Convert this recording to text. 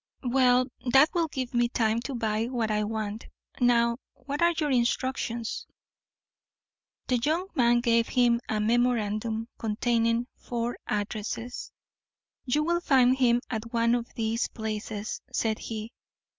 "Well, that will give me time to buy what I want. Now, what are your instructions?" The young man gave him a memorandum, containing four addresses. "You will find him at one of these places," said he.